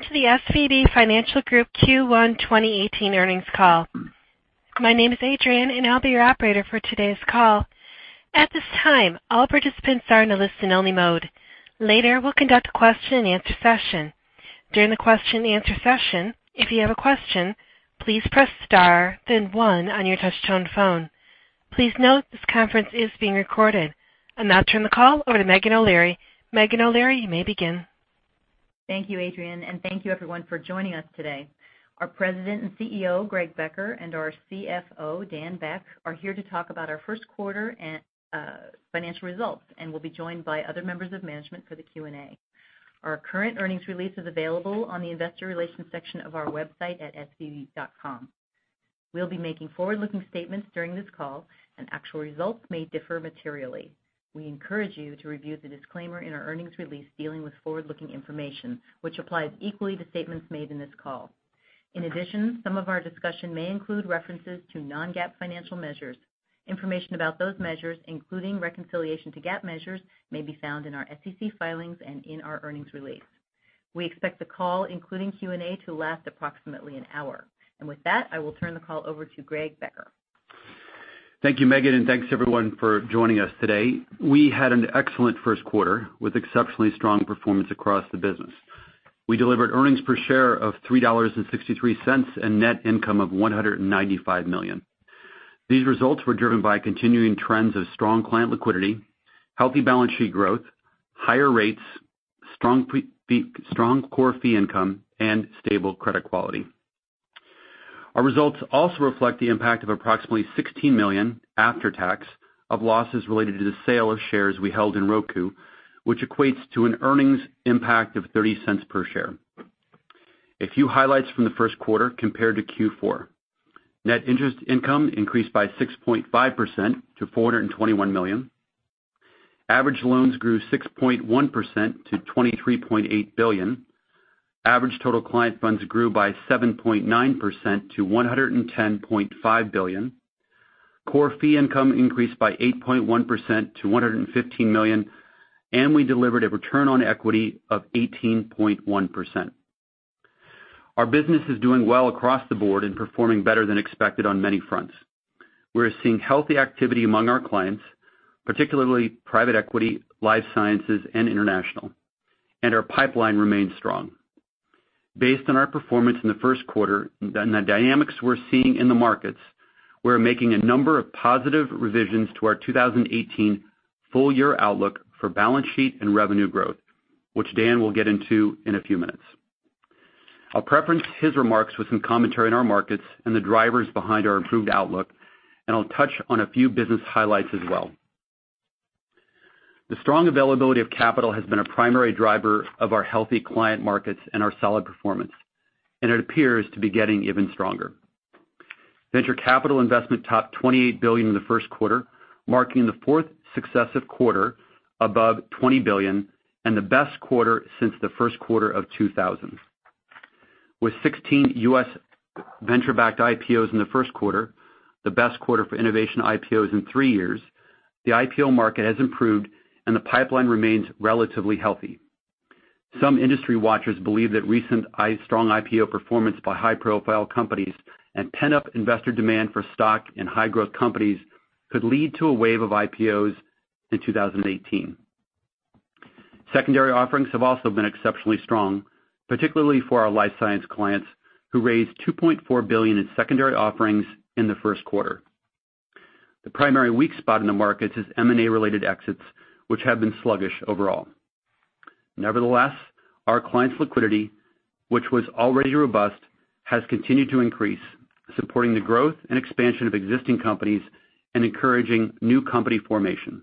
Welcome to the SVB Financial Group Q1 2018 earnings call. My name is Adrienne, and I'll be your operator for today's call. At this time, all participants are in a listen only mode. Later, we'll conduct a question and answer session. During the question and answer session, if you have a question, please press star, then one on your touchtone phone. Please note this conference is being recorded. I'll now turn the call over to Meghan O'Leary. Meghan O'Leary, you may begin. Thank you, Adrienne, thank you everyone for joining us today. Our President and CEO, Greg Becker, and our CFO, Daniel Beck, are here to talk about our first quarter financial results, and will be joined by other members of management for the Q&A. Our current earnings release is available on the investor relations section of our website at svb.com. We'll be making forward-looking statements during this call and actual results may differ materially. We encourage you to review the disclaimer in our earnings release dealing with forward-looking information, which applies equally to statements made in this call. In addition, some of our discussion may include references to non-GAAP financial measures. Information about those measures, including reconciliation to GAAP measures, may be found in our SEC filings and in our earnings release. We expect the call, including Q&A, to last approximately an hour. With that, I will turn the call over to Greg Becker. Thank you, Meghan, thanks everyone for joining us today. We had an excellent first quarter with exceptionally strong performance across the business. We delivered earnings per share of $3.63 and net income of $195 million. These results were driven by continuing trends of strong client liquidity, healthy balance sheet growth, higher rates, strong core fee income, and stable credit quality. Our results also reflect the impact of approximately $16 million after tax of losses related to the sale of shares we held in Roku, which equates to an earnings impact of $0.30 per share. A few highlights from the first quarter compared to Q4. Net interest income increased by 6.5% to $421 million. Average loans grew 6.1% to $23.8 billion. Average total client funds grew by 7.9% to $110.5 billion. Core fee income increased by 8.1% to $115 million, we delivered a return on equity of 18.1%. Our business is doing well across the board and performing better than expected on many fronts. We're seeing healthy activity among our clients, particularly private equity, life sciences, and international. Our pipeline remains strong. Based on our performance in the first quarter and the dynamics we're seeing in the markets, we're making a number of positive revisions to our 2018 full year outlook for balance sheet and revenue growth, which Dan will get into in a few minutes. I'll preface his remarks with some commentary on our markets and the drivers behind our improved outlook. I'll touch on a few business highlights as well. The strong availability of capital has been a primary driver of our healthy client markets and our solid performance. It appears to be getting even stronger. Venture capital investment topped $28 billion in the first quarter, marking the fourth successive quarter above $20 billion and the best quarter since the first quarter of 2000. With 16 U.S. venture-backed IPOs in the first quarter, the best quarter for innovation IPOs in three years, the IPO market has improved. The pipeline remains relatively healthy. Some industry watchers believe that recent strong IPO performance by high-profile companies and pent-up investor demand for stock and high-growth companies could lead to a wave of IPOs in 2018. Secondary offerings have also been exceptionally strong, particularly for our life science clients who raised $2.4 billion in secondary offerings in the first quarter. The primary weak spot in the markets is M&A related exits, which have been sluggish overall. Nevertheless, our clients' liquidity, which was already robust, has continued to increase, supporting the growth and expansion of existing companies and encouraging new company formation.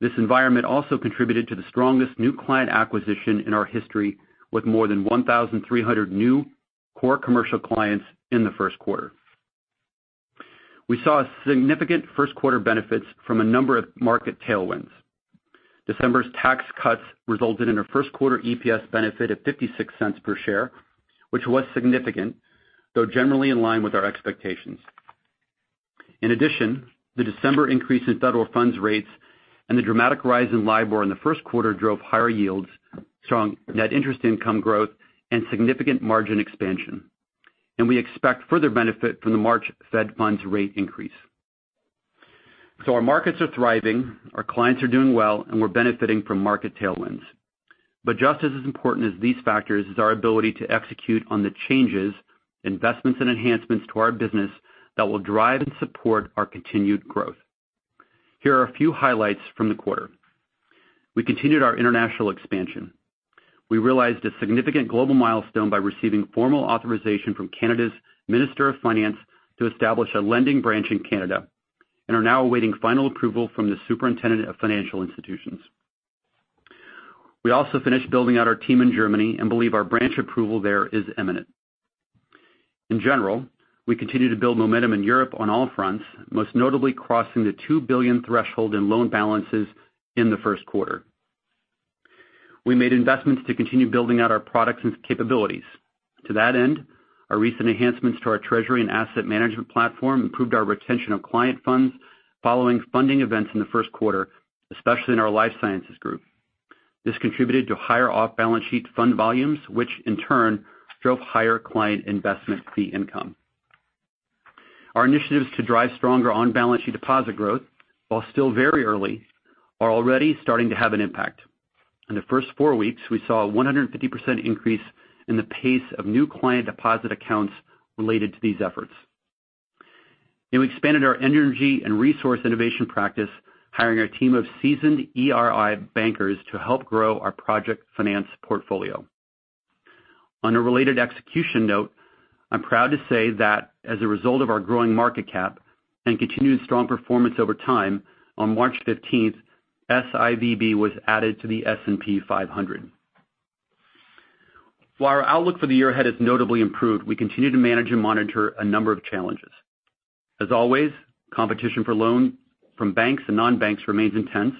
This environment also contributed to the strongest new client acquisition in our history with more than 1,300 new core commercial clients in the first quarter. We saw significant first quarter benefits from a number of market tailwinds. December's tax cuts resulted in a first quarter EPS benefit of $0.56 per share, which was significant, though generally in line with our expectations. In addition, the December increase in Federal Funds rates and the dramatic rise in LIBOR in the first quarter drove higher yields, strong net interest income growth, and significant margin expansion. We expect further benefit from the March Fed funds rate increase. Our markets are thriving, our clients are doing well. We're benefiting from market tailwinds. Just as important as these factors is our ability to execute on the changes, investments, and enhancements to our business that will drive and support our continued growth. Here are a few highlights from the quarter. We continued our international expansion. We realized a significant global milestone by receiving formal authorization from Canada's Minister of Finance to establish a lending branch in Canada and are now awaiting final approval from the Superintendent of Financial Institutions. We also finished building out our team in Germany and believe our branch approval there is imminent. In general, we continue to build momentum in Europe on all fronts, most notably crossing the $2 billion threshold in loan balances in the first quarter. We made investments to continue building out our products and capabilities. To that end, our recent enhancements to our treasury and asset management platform improved our retention of client funds following funding events in the first quarter, especially in our life sciences group. This contributed to higher off-balance sheet fund volumes, which in turn drove higher client investment fee income. Our initiatives to drive stronger on-balance sheet deposit growth, while still very early, are already starting to have an impact. In the first four weeks, we saw a 150% increase in the pace of new client deposit accounts related to these efforts. We expanded our Energy and Resource Innovation practice, hiring a team of seasoned ERI bankers to help grow our project finance portfolio. On a related execution note, I'm proud to say that as a result of our growing market cap and continued strong performance over time, on March 15th, SIVB was added to the S&P 500. While our outlook for the year ahead has notably improved, we continue to manage and monitor a number of challenges. As always, competition for loans from banks and non-banks remains intense,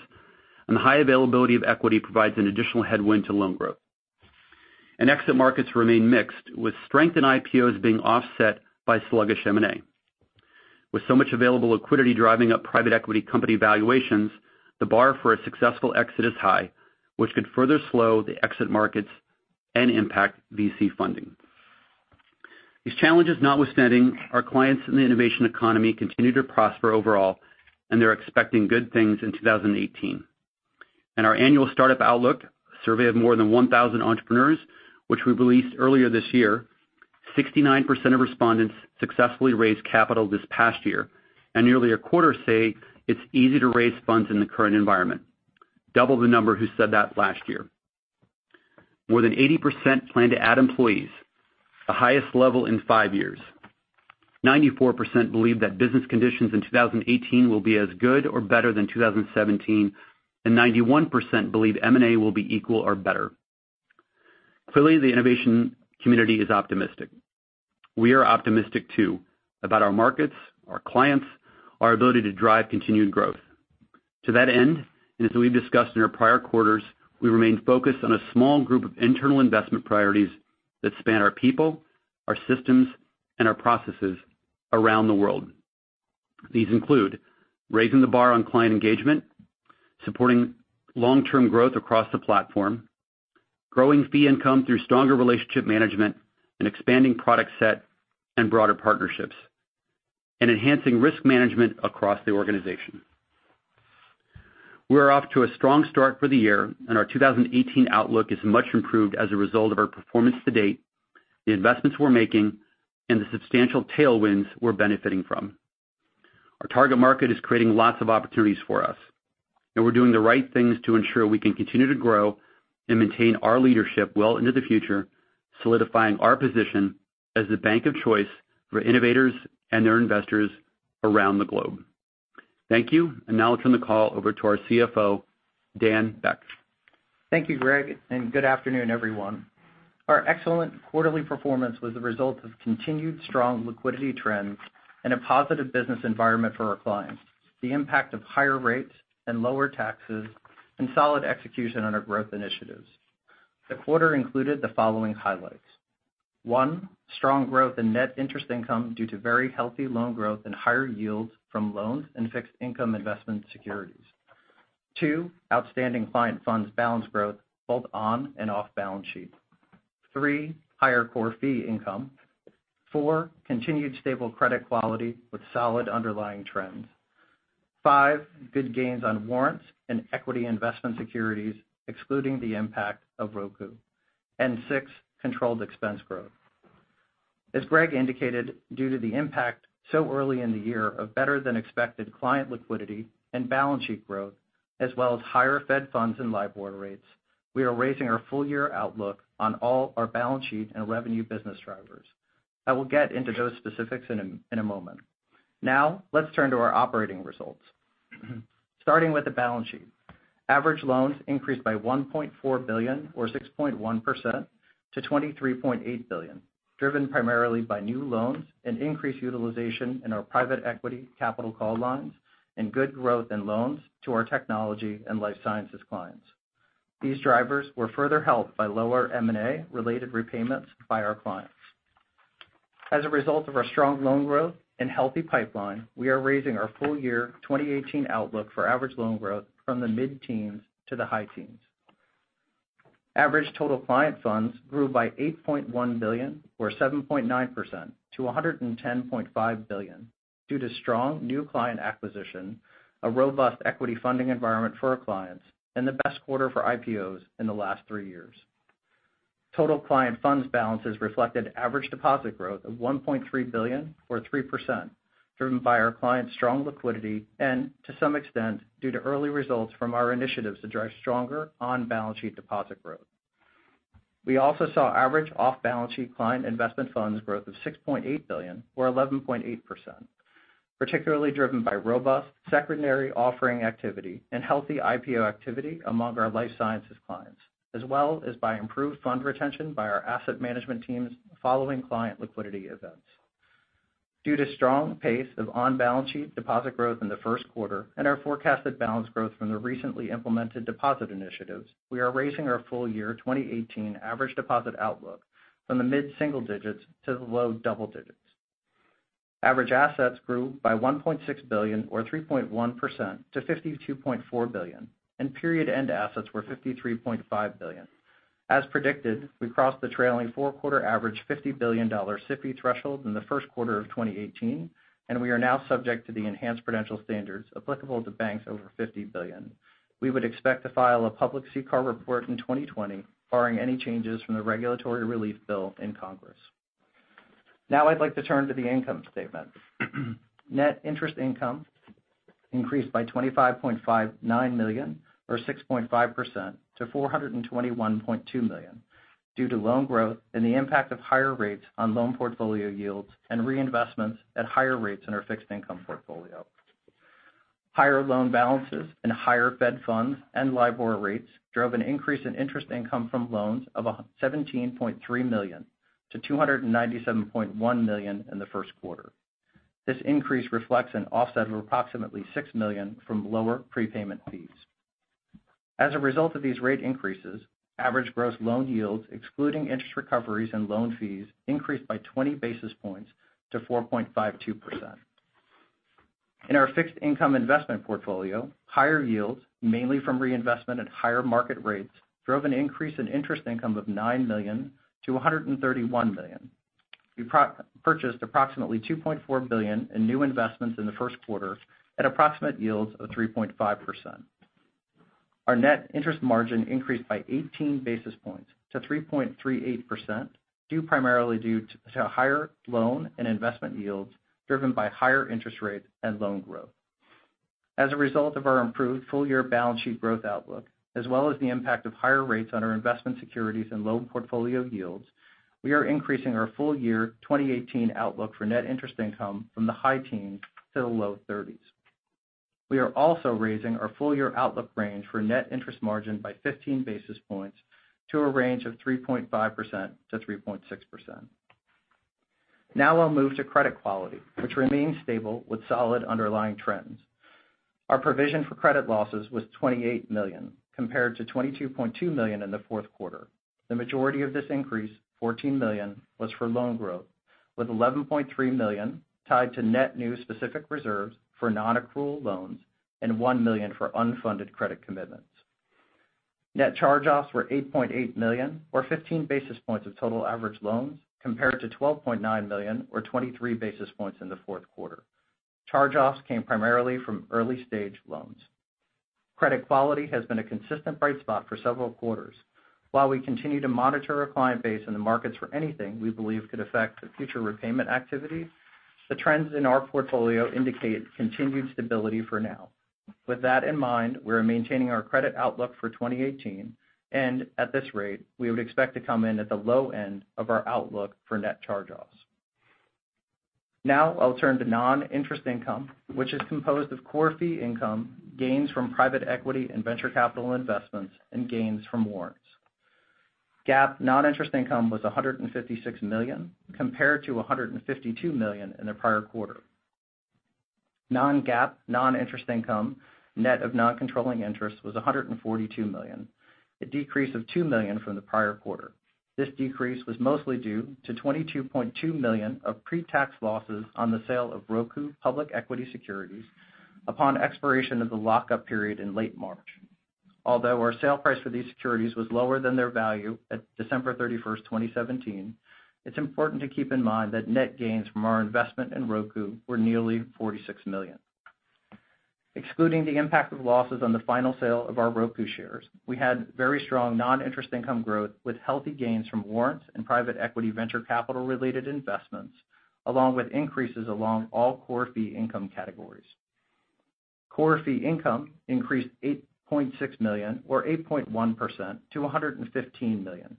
and the high availability of equity provides an additional headwind to loan growth. Exit markets remain mixed, with strength in IPOs being offset by sluggish M&A. With so much available liquidity driving up private equity company valuations, the bar for a successful exit is high, which could further slow the exit markets and impact VC funding. These challenges notwithstanding, our clients in the innovation economy continue to prosper overall, and they're expecting good things in 2018. In our annual startup outlook, a survey of more than 1,000 entrepreneurs, which we released earlier this year, 69% of respondents successfully raised capital this past year. Nearly a quarter say it's easy to raise funds in the current environment, double the number who said that last year. More than 80% plan to add employees, the highest level in five years. 94% believe that business conditions in 2018 will be as good or better than 2017, and 91% believe M&A will be equal or better. Clearly, the innovation community is optimistic. We are optimistic too, about our markets, our clients, our ability to drive continued growth. To that end, and as we've discussed in our prior quarters, we remain focused on a small group of internal investment priorities that span our people, our systems, and our processes around the world. These include raising the bar on client engagement, supporting long-term growth across the platform, growing fee income through stronger relationship management, and expanding product set and broader partnerships, and enhancing risk management across the organization. We're off to a strong start for the year, and our 2018 outlook is much improved as a result of our performance to date, the investments we're making, and the substantial tailwinds we're benefiting from. Our target market is creating lots of opportunities for us, and we're doing the right things to ensure we can continue to grow and maintain our leadership well into the future, solidifying our position as the bank of choice for innovators and their investors around the globe. Thank you. Now I'll turn the call over to our CFO, Dan Beck. Thank you, Greg, and good afternoon, everyone. Our excellent quarterly performance was the result of continued strong liquidity trends and a positive business environment for our clients, the impact of higher rates and lower taxes, and solid execution on our growth initiatives. The quarter included the following highlights. One, strong growth in net interest income due to very healthy loan growth and higher yields from loans and fixed income investment securities. Two, outstanding client funds balance growth both on and off balance sheet. Three, higher core fee income. Four, continued stable credit quality with solid underlying trends. Five, good gains on warrants and equity investment securities, excluding the impact of Roku. Six, controlled expense growth. As Greg indicated, due to the impact so early in the year of better than expected client liquidity and balance sheet growth, as well as higher Fed funds and LIBOR rates, we are raising our full-year outlook on all our balance sheet and revenue business drivers. I will get into those specifics in a moment. Let's turn to our operating results. Starting with the balance sheet. Average loans increased by $1.4 billion or 6.1% to $23.8 billion, driven primarily by new loans and increased utilization in our private equity capital call lines and good growth in loans to our technology and life sciences clients. These drivers were further helped by lower M&A related repayments by our clients. As a result of our strong loan growth and healthy pipeline, we are raising our full-year 2018 outlook for average loan growth from the mid-teens to the high-teens. Average total client funds grew by $8.1 billion or 7.9% to $110.5 billion due to strong new client acquisition, a robust equity funding environment for our clients, and the best quarter for IPOs in the last three years. Total client funds balances reflected average deposit growth of $1.3 billion or 3%, driven by our clients' strong liquidity and to some extent, due to early results from our initiatives to drive stronger on-balance sheet deposit growth. We also saw average off-balance sheet client investment funds growth of $6.8 billion or 11.8%, particularly driven by robust secondary offering activity and healthy IPO activity among our life sciences clients, as well as by improved fund retention by our asset management teams following client liquidity events. Due to strong pace of on-balance sheet deposit growth in the first quarter and our forecasted balance growth from the recently implemented deposit initiatives, we are raising our full-year 2018 average deposit outlook from the mid-single digits to the low-double digits. Average assets grew by $1.6 billion or 3.1% to $52.4 billion, and period end assets were $53.5 billion. As predicted, we crossed the trailing four-quarter average $50 billion SIFI threshold in the first quarter of 2018, and we are now subject to the enhanced prudential standards applicable to banks over $50 billion. We would expect to file a public CCAR report in 2020 barring any changes from the regulatory relief bill in Congress. I'd like to turn to the income statement. Net interest income increased by $25.59 million or 6.5% to $421.2 million due to loan growth and the impact of higher rates on loan portfolio yields and reinvestments at higher rates in our fixed income portfolio. Higher loan balances and higher Federal Funds and LIBOR rates drove an increase in interest income from loans of $17.3 million to $297.1 million in the first quarter. This increase reflects an offset of approximately $6 million from lower prepayment fees. As a result of these rate increases, average gross loan yields, excluding interest recoveries and loan fees, increased by 20 basis points to 4.52%. In our fixed income investment portfolio, higher yields, mainly from reinvestment at higher market rates, drove an increase in interest income of $9 million to $131 million. We purchased approximately $2.4 billion in new investments in the first quarter at approximate yields of 3.5%. Our net interest margin increased by 18 basis points to 3.38%, due primarily due to higher loan and investment yields driven by higher interest rates and loan growth. As a result of our improved full year balance sheet growth outlook, as well as the impact of higher rates on our investment securities and loan portfolio yields, we are increasing our full year 2018 outlook for net interest income from the high teens to the low thirties. We are also raising our full year outlook range for net interest margin by 15 basis points to a range of 3.5%-3.6%. Now I'll move to credit quality, which remains stable with solid underlying trends. Our provision for credit losses was $28 million compared to $22.2 million in the fourth quarter. The majority of this increase, $14 million, was for loan growth, with $11.3 million tied to net new specific reserves for non-accrual loans and $1 million for unfunded credit commitments. Net charge-offs were $8.8 million or 15 basis points of total average loans compared to $12.9 million or 23 basis points in the fourth quarter. Charge-offs came primarily from early-stage loans. Credit quality has been a consistent bright spot for several quarters. While we continue to monitor our client base and the markets for anything we believe could affect the future repayment activity, the trends in our portfolio indicate continued stability for now. With that in mind, we're maintaining our credit outlook for 2018, and at this rate, we would expect to come in at the low end of our outlook for net charge-offs. Now I'll turn to non-interest income, which is composed of core fee income, gains from private equity and venture capital investments, and gains from warrants. GAAP non-interest income was $156 million compared to $152 million in the prior quarter. Non-GAAP non-interest income, net of non-controlling interest was $142 million, a decrease of $2 million from the prior quarter. This decrease was mostly due to $22.2 million of pre-tax losses on the sale of Roku public equity securities upon expiration of the lockup period in late March. Although our sale price for these securities was lower than their value at December 31st, 2017, it's important to keep in mind that net gains from our investment in Roku were nearly $46 million. Excluding the impact of losses on the final sale of our Roku shares, we had very strong non-interest income growth with healthy gains from warrants and private equity venture capital related investments, along with increases along all core fee income categories. Core fee income increased $8.6 million or 8.1% to $115 million.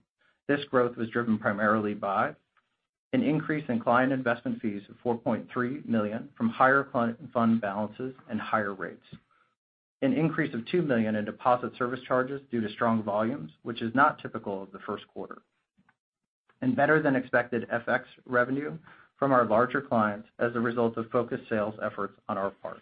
This growth was driven primarily by an increase in client investment fees of $4.3 million from higher fund balances and higher rates. An increase of $2 million in deposit service charges due to strong volumes, which is not typical of the first quarter. Better than expected FX revenue from our larger clients as a result of focused sales efforts on our part.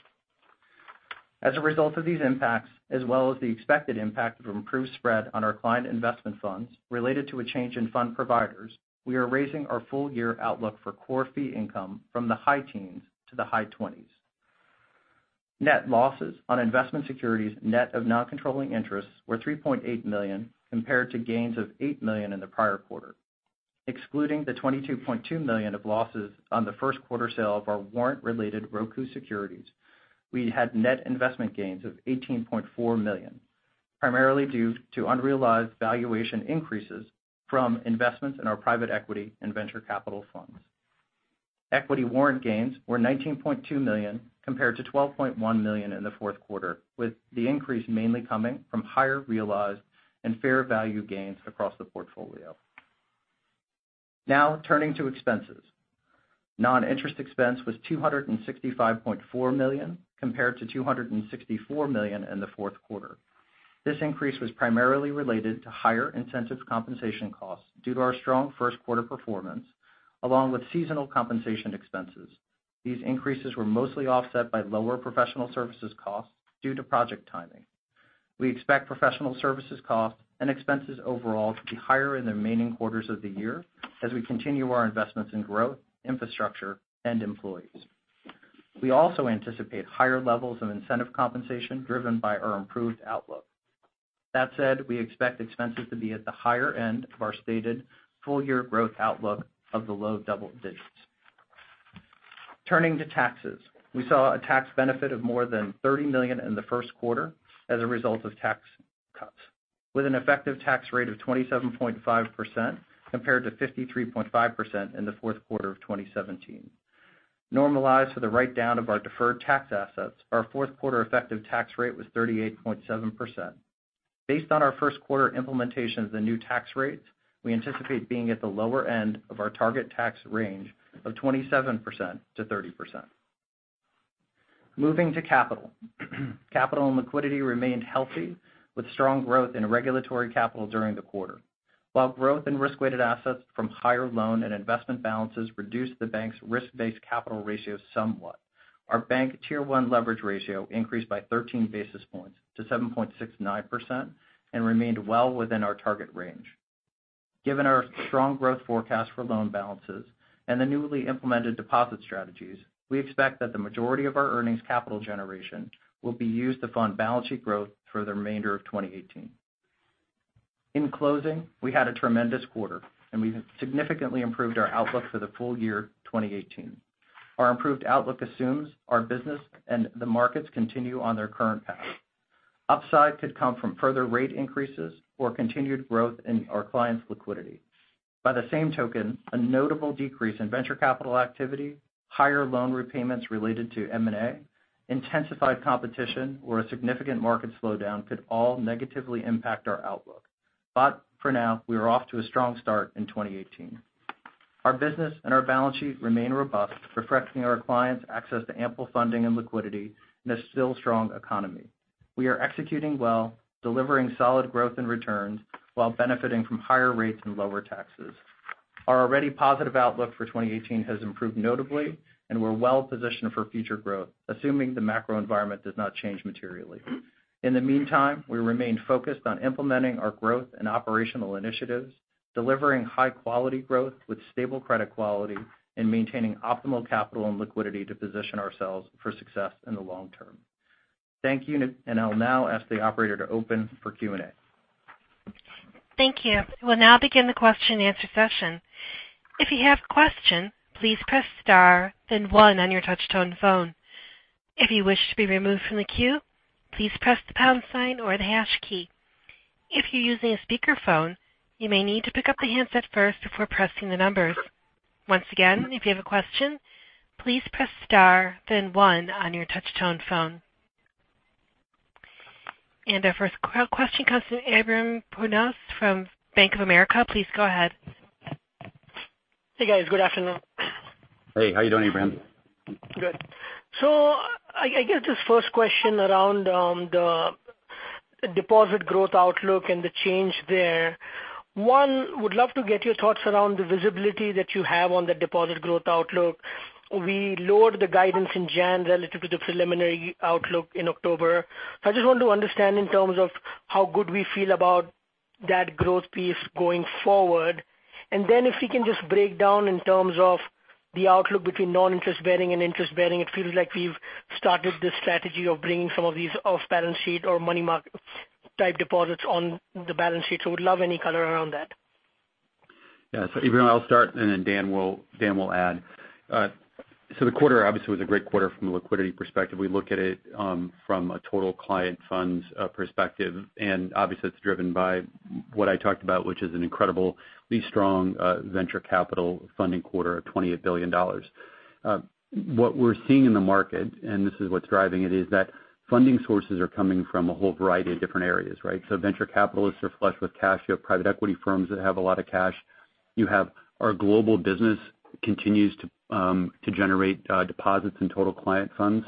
As a result of these impacts, as well as the expected impact of improved spread on our client investment funds related to a change in fund providers, we are raising our full year outlook for core fee income from the high teens to the high twenties. Net losses on investment securities net of non-controlling interests were $3.8 million compared to gains of $8 million in the prior quarter. Excluding the $22.2 million of losses on the first quarter sale of our warrant-related Roku securities, we had net investment gains of $18.4 million, primarily due to unrealized valuation increases from investments in our private equity and venture capital funds. Equity warrant gains were $19.2 million compared to $12.1 million in the fourth quarter, with the increase mainly coming from higher realized and fair value gains across the portfolio. Turning to expenses. Non-interest expense was $265.4 million compared to $264 million in the fourth quarter. This increase was primarily related to higher incentive compensation costs due to our strong first quarter performance, along with seasonal compensation expenses. These increases were mostly offset by lower professional services costs due to project timing. We expect professional services costs and expenses overall to be higher in the remaining quarters of the year as we continue our investments in growth, infrastructure, and employees. We also anticipate higher levels of incentive compensation driven by our improved outlook. That said, we expect expenses to be at the higher end of our stated full-year growth outlook of the low double digits. Turning to taxes. We saw a tax benefit of more than $30 million in the first quarter as a result of tax cuts, with an effective tax rate of 27.5% compared to 53.5% in the fourth quarter of 2017. Normalized for the write-down of our deferred tax assets, our fourth quarter effective tax rate was 38.7%. Based on our first quarter implementation of the new tax rates, we anticipate being at the lower end of our target tax range of 27%-30%. Moving to capital. Capital and liquidity remained healthy, with strong growth in regulatory capital during the quarter. While growth in risk-weighted assets from higher loan and investment balances reduced the bank's risk-based capital ratio somewhat, our bank Tier 1 leverage ratio increased by 13 basis points to 7.69% and remained well within our target range. Given our strong growth forecast for loan balances and the newly implemented deposit strategies, we expect that the majority of our earnings capital generation will be used to fund balance sheet growth through the remainder of 2018. In closing, we had a tremendous quarter, and we've significantly improved our outlook for the full year 2018. Our improved outlook assumes our business and the markets continue on their current path. Upside could come from further rate increases or continued growth in our clients' liquidity. By the same token, a notable decrease in venture capital activity, higher loan repayments related to M&A, intensified competition, or a significant market slowdown could all negatively impact our outlook. For now, we are off to a strong start in 2018. Our business and our balance sheet remain robust, reflecting our clients' access to ample funding and liquidity in a still strong economy. We are executing well, delivering solid growth and returns while benefiting from higher rates and lower taxes. Our already positive outlook for 2018 has improved notably, and we're well positioned for future growth, assuming the macro environment does not change materially. In the meantime, we remain focused on implementing our growth and operational initiatives, delivering high-quality growth with stable credit quality, and maintaining optimal capital and liquidity to position ourselves for success in the long term. Thank you. I'll now ask the operator to open for Q&A. Thank you. We'll now begin the question and answer session. If you have a question, please press star, then one on your touch-tone phone. If you wish to be removed from the queue, please press the pound sign or the hash key. If you're using a speakerphone, you may need to pick up the handset first before pressing the numbers. Once again, if you have a question, please press star then one on your touch-tone phone. Our first question comes from Ebrahim Poonawala from Bank of America. Please go ahead. Hey, guys. Good afternoon. Hey, how are you doing, Ebrahim? Good. I guess just first question around the deposit growth outlook and the change there. One, would love to get your thoughts around the visibility that you have on the deposit growth outlook. We lowered the guidance in January relative to the preliminary outlook in October. I just want to understand in terms of how good we feel about that growth piece going forward. Then if we can just break down in terms of the outlook between non-interest bearing and interest bearing. It feels like we've started this strategy of bringing some of these off-balance sheet or money market type deposits on the balance sheet. Would love any color around that. Yeah. Ebrahim, I'll start, and then Dan will add. The quarter obviously was a great quarter from a liquidity perspective. We look at it from a total client funds perspective, and obviously it's driven by what I talked about, which is an incredible, strong venture capital funding quarter of $28 billion. What we're seeing in the market, and this is what's driving it, is that funding sources are coming from a whole variety of different areas, right? Venture capitalists are flush with cash. You have private equity firms that have a lot of cash. You have our global business continues to generate deposits and total client funds.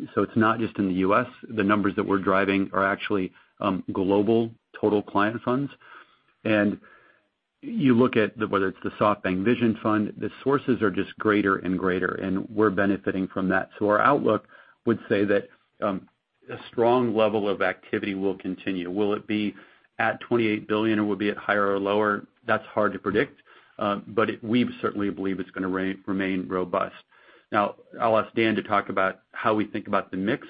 It's not just in the U.S. The numbers that we're driving are actually global total client funds. You look at whether it's the SoftBank Vision Fund, the sources are just greater and greater, and we're benefiting from that. Our outlook would say that a strong level of activity will continue. Will it be at $28 billion or will be at higher or lower? That's hard to predict. We certainly believe it's going to remain robust. Now, I'll ask Dan to talk about how we think about the mix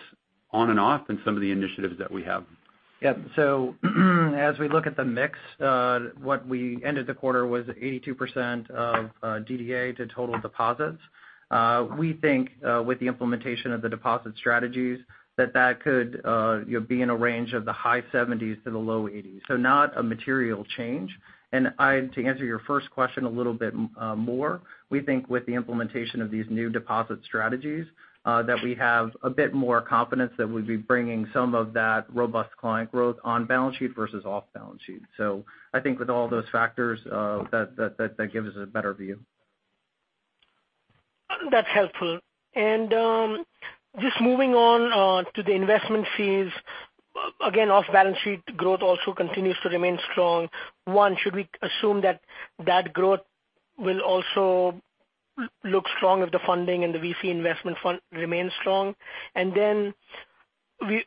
on and off and some of the initiatives that we have. Yeah. As we look at the mix, what we ended the quarter was 82% of DDA to total deposits. We think with the implementation of the deposit strategies, that that could be in a range of the high 70s to the low 80s. Not a material change. To answer your first question a little bit more, we think with the implementation of these new deposit strategies, that we have a bit more confidence that we'd be bringing some of that robust client growth on balance sheet versus off balance sheet. I think with all those factors, that gives us a better view. That's helpful. Just moving on to the investment fees, again, off-balance sheet growth also continues to remain strong. One, should we assume that that growth will also look strong if the funding and the VC investment fund remains strong? Then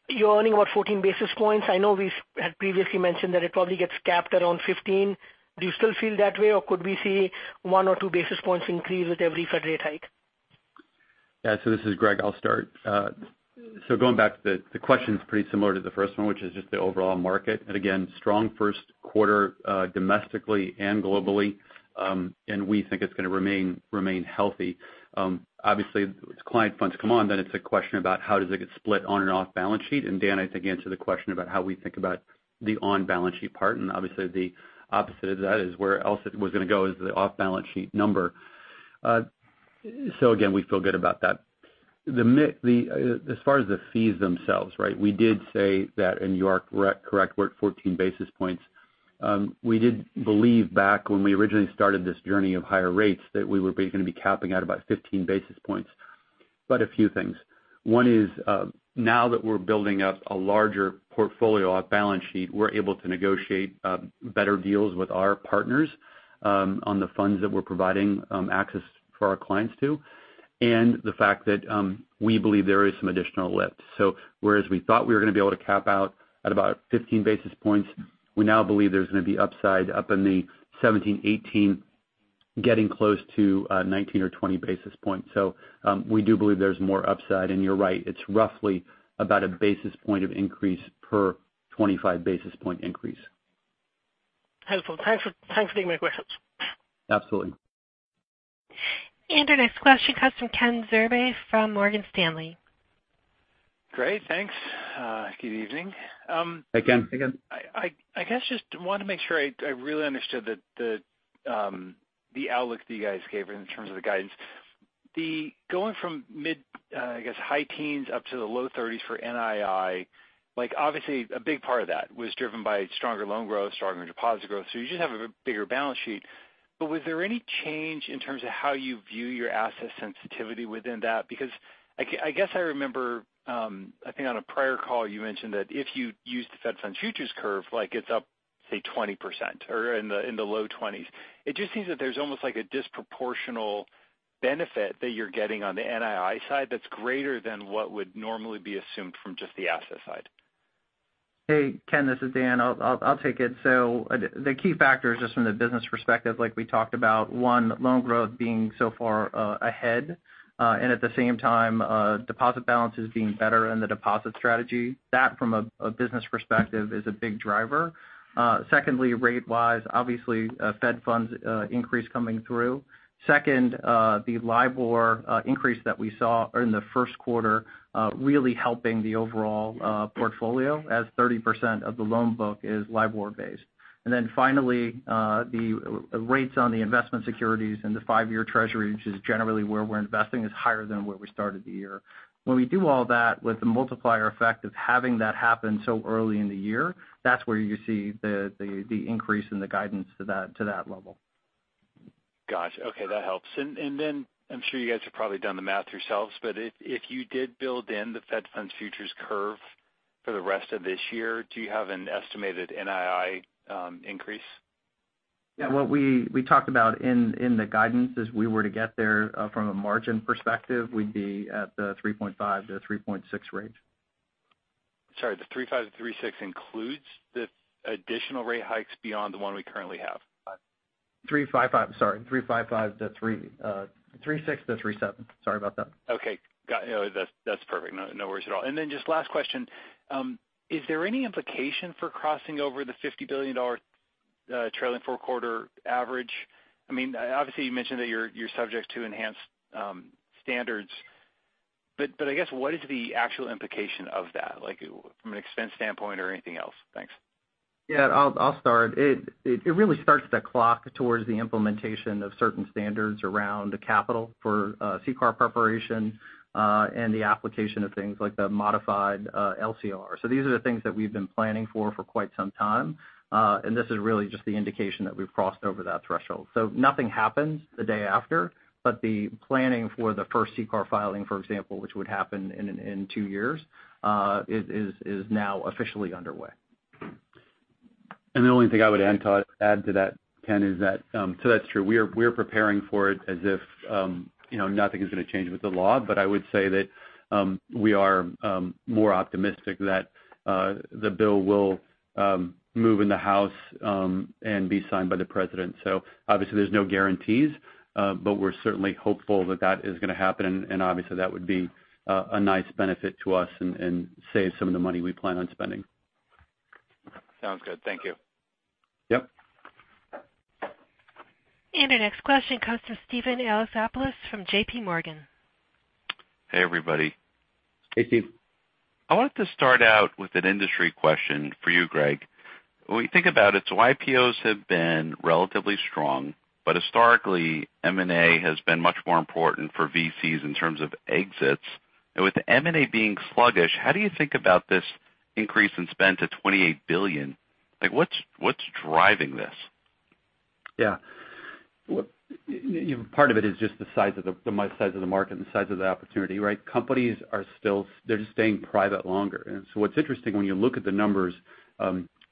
you're earning what, 14 basis points? I know we had previously mentioned that it probably gets capped around 15. Do you still feel that way, or could we see one or two basis points increase with every Fed rate hike? Yeah. This is Greg. I'll start. Going back to the question's pretty similar to the first one, which is just the overall market. Again, strong first quarter domestically and globally. We think it's going to remain healthy. Obviously, as client funds come on, then it's a question about how does it get split on and off balance sheet. Dan, I think, answered the question about how we think about the on-balance sheet part, and obviously the opposite of that is where else it was going to go is the off-balance sheet number. Again, we feel good about that. As far as the fees themselves, we did say that, and you are correct, we're at 14 basis points. We did believe back when we originally started this journey of higher rates, that we were going to be capping at about 15 basis points. A few things. One is now that we're building up a larger portfolio off balance sheet, we're able to negotiate better deals with our partners on the funds that we're providing access for our clients to, and the fact that we believe there is some additional lift. Whereas we thought we were going to be able to cap out at about 15 basis points, we now believe there's going to be upside up in the 17, 18, getting close to 19 or 20 basis points. We do believe there's more upside. You're right, it's roughly about a basis point of increase per 25 basis point increase. Helpful. Thanks for taking my questions. Absolutely. Our next question comes from Kenneth Zerbe from Morgan Stanley. Great. Thanks. Good evening. Hey, Ken. I guess just want to make sure I really understood the outlook that you guys gave in terms of the guidance. Going from mid, I guess high teens up to the low 30s for NII, obviously a big part of that was driven by stronger loan growth, stronger deposit growth. You should have a bigger balance sheet. Was there any change in terms of how you view your asset sensitivity within that? Because I guess I remember, I think on a prior call you mentioned that if you use the Federal Funds futures curve, it's up, say 20% or in the low 20s. It just seems that there's almost a disproportional benefit that you're getting on the NII side that's greater than what would normally be assumed from just the asset side. Hey, Ken, this is Dan. I'll take it. The key factors just from the business perspective, like we talked about, one, loan growth being so far ahead. At the same time, deposit balances being better and the deposit strategy. That from a business perspective is a big driver. Secondly, rate-wise, obviously, Federal Funds increase coming through. Second, the LIBOR increase that we saw in the first quarter really helping the overall portfolio as 30% of the loan book is LIBOR based. Finally, the rates on the investment securities and the 5-year Treasury, which is generally where we're investing, is higher than where we started the year. When we do all that with the multiplier effect of having that happen so early in the year, that's where you see the increase in the guidance to that level. Got you. Okay. That helps. I'm sure you guys have probably done the math yourselves, but if you did build in the Federal Funds futures curve for the rest of this year, do you have an estimated NII increase? Yeah. What we talked about in the guidance is we were to get there from a margin perspective, we'd be at the 3.5-3.6 range. Sorry, the 3.5 to 3.6 includes the additional rate hikes beyond the one we currently have? Sorry. 3.6 to 3.7. Sorry about that. Okay. Got it. That's perfect. No worries at all. Just last question. Is there any implication for crossing over the $50 billion trailing four quarter average? Obviously you mentioned that you're subject to enhanced standards, but I guess what is the actual implication of that from an expense standpoint or anything else? Thanks. Yeah. I'll start. It really starts the clock towards the implementation of certain standards around the capital for CCAR preparation and the application of things like the modified LCR. These are the things that we've been planning for quite some time. This is really just the indication that we've crossed over that threshold. Nothing happens the day after. The planning for the first CCAR filing, for example, which would happen in two years, is now officially underway. The only thing I would add to that, Ken, is that's true. We're preparing for it as if nothing is going to change with the law. I would say that we are more optimistic that the bill will move in the House and be signed by the president. Obviously there's no guarantees, but we're certainly hopeful that that is going to happen and obviously that would be a nice benefit to us and save some of the money we plan on spending. Sounds good. Thank you. Yep. Our next question comes from Steven Alexopoulos from JPMorgan Chase. Hey, everybody. Hey, Steve. I wanted to start out with an industry question for you, Greg. When we think about it, IPOs have been relatively strong, but historically M&A has been much more important for VCs in terms of exits. With M&A being sluggish, how do you think about this increase in spend to $28 billion? What's driving this? Yeah. Part of it is just the size of the market and the size of the opportunity, right? Companies are still staying private longer. What's interesting when you look at the numbers,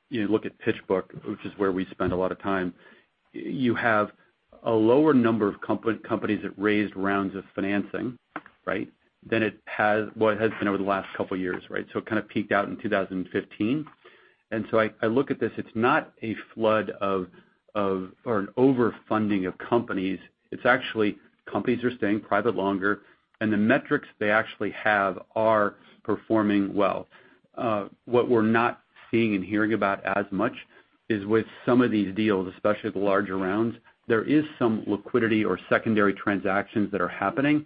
you look at PitchBook, which is where we spend a lot of time, you have a lower number of companies that raised rounds of financing, right? Than what it has been over the last couple of years, right? It kind of peaked out in 2015. I look at this, it's not a flood of, or an over-funding of companies. It's actually companies are staying private longer, and the metrics they actually have are performing well. What we're not seeing and hearing about as much is with some of these deals, especially the larger rounds, there is some liquidity or secondary transactions that are happening.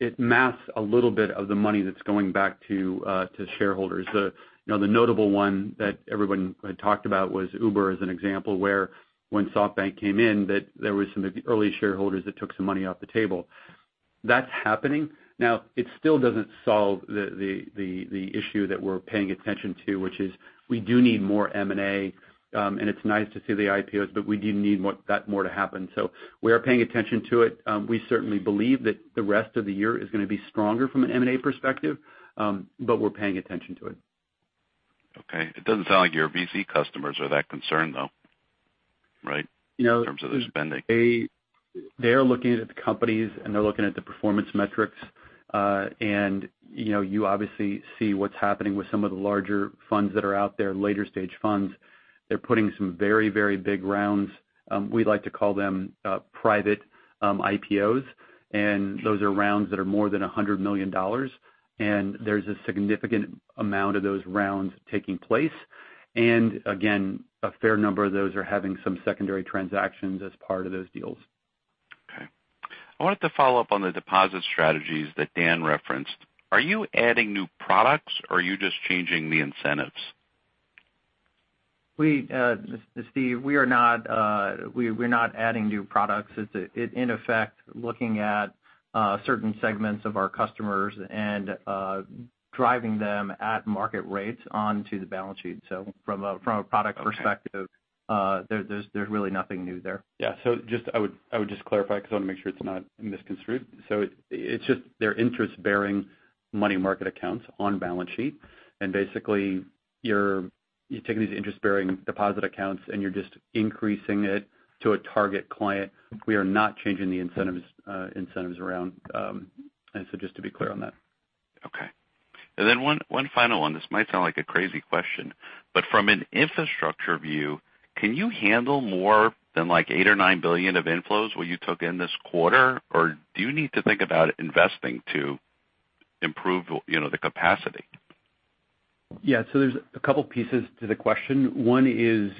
It masks a little bit of the money that's going back to shareholders. The notable one that everyone had talked about was Uber as an example, where when SoftBank came in, that there was some of the early shareholders that took some money off the table. That's happening. It still doesn't solve the issue that we're paying attention to, which is we do need more M&A. It's nice to see the IPOs, but we do need that more to happen. We are paying attention to it. We certainly believe that the rest of the year is going to be stronger from an M&A perspective, we're paying attention to it. Okay. It doesn't sound like your VC customers are that concerned, though, right? In terms of their spending. They are looking at the companies, and they're looking at the performance metrics. You obviously see what's happening with some of the larger funds that are out there, later stage funds. They're putting some very, very big rounds. We like to call them private IPOs, and those are rounds that are more than $100 million. There's a significant amount of those rounds taking place. Again, a fair number of those are having some secondary transactions as part of those deals. Okay. I wanted to follow up on the deposit strategies that Dan referenced. Are you adding new products or are you just changing the incentives? Steve, we are not adding new products. It's in effect, looking at certain segments of our customers and driving them at market rates onto the balance sheet. From a product perspective. Okay There's really nothing new there. Yeah. I would just clarify because I want to make sure it's not misconstrued. It's just their interest-bearing money market accounts on balance sheet. Basically you're taking these interest-bearing deposit accounts and you're just increasing it to a target client. We are not changing the incentives around. Just to be clear on that. Okay. One final one. This might sound like a crazy question, from an infrastructure view, can you handle more than $8 billion or $9 billion of inflows what you took in this quarter? Do you need to think about investing to improve the capacity? Yeah. There's a couple pieces to the question. One is,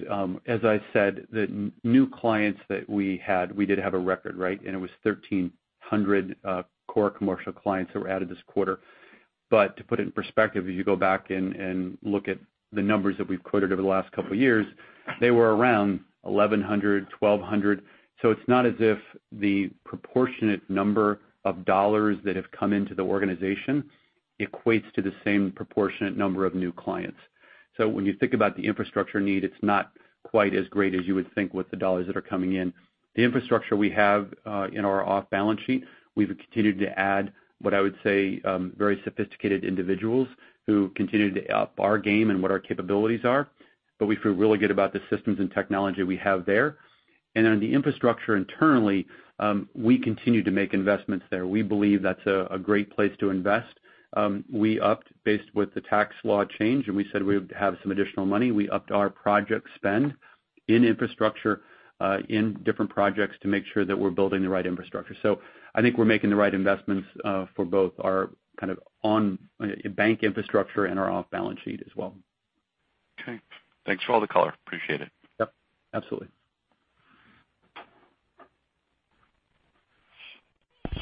as I said, the new clients that we had, we did have a record, right? It was 1,300 core commercial clients that were added this quarter. To put it in perspective, as you go back and look at the numbers that we've quoted over the last couple of years, they were around 1,100, 1,200. It's not as if the proportionate number of dollars that have come into the organization equates to the same proportionate number of new clients. When you think about the infrastructure need, it's not quite as great as you would think with the dollars that are coming in. The infrastructure we have in our off-balance sheet, we've continued to add what I would say very sophisticated individuals who continue to up our game and what our capabilities are. We feel really good about the systems and technology we have there. On the infrastructure internally, we continue to make investments there. We believe that's a great place to invest. We upped based with the tax law change, and we said we would have some additional money. We upped our project spend in infrastructure in different projects to make sure that we're building the right infrastructure. I think we're making the right investments for both our kind of on bank infrastructure and our off-balance sheet as well. Okay. Thanks for all the color. Appreciate it. Yep, absolutely.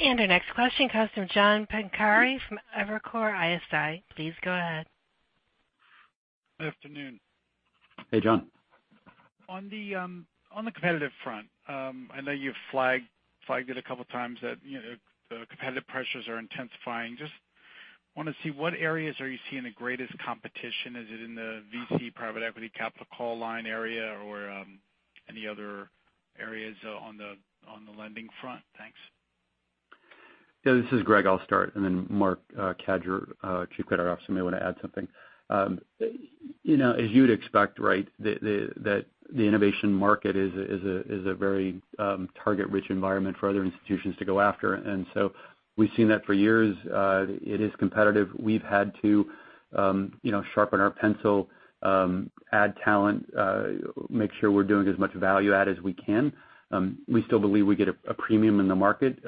Our next question comes from John Pancari from Evercore ISI. Please go ahead. Afternoon. Hey, John. On the competitive front, I know you've flagged it a couple times that the competitive pressures are intensifying. Just want to see what areas are you seeing the greatest competition? Is it in the VC private equity capital call line area, or any other areas on the lending front? Thanks. Yeah, this is Greg. I'll start. Marc Cadieux, Chief Credit Officer, may want to add something. As you would expect, right? That the innovation market is a very target-rich environment for other institutions to go after. We've seen that for years. It is competitive. We've had to sharpen our pencil, add talent, make sure we're doing as much value add as we can. We still believe we get a premium in the market,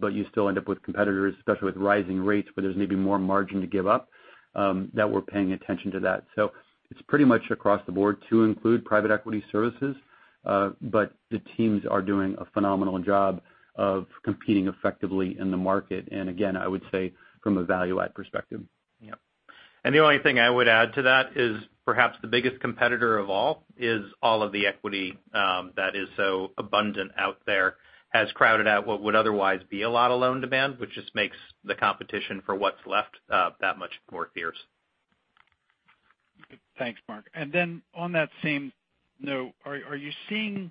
but you still end up with competitors, especially with rising rates where there's maybe more margin to give up, that we're paying attention to that. It's pretty much across the board to include private equity services. The teams are doing a phenomenal job of competing effectively in the market. Again, I would say from a value add perspective. Yep. The only thing I would add to that is perhaps the biggest competitor of all is all of the equity that is so abundant out there has crowded out what would otherwise be a lot of loan demand, which just makes the competition for what's left that much more fierce. Thanks, Marc. On that same note, are you seeing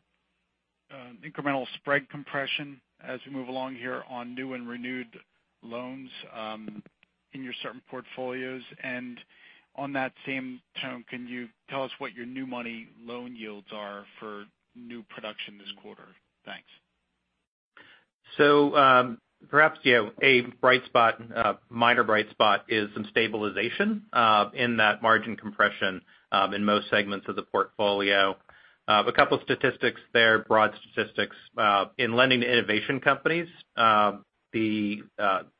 incremental spread compression as we move along here on new and renewed loans in your certain portfolios? On that same tone, can you tell us what your new money loan yields are for new production this quarter? Thanks. Perhaps a minor bright spot is some stabilization in that margin compression in most segments of the portfolio. A couple statistics there, broad statistics. In lending to innovation companies, the